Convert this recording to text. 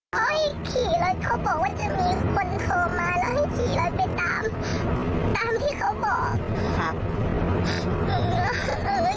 พอให้ขี่รถเขาบอกว่าจะมีคนโทรมา